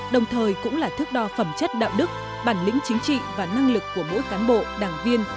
đồng thời cũng là thước đo phẩm chất đạo đức bản lĩnh chính trị và năng lực của mỗi cán bộ đảng viên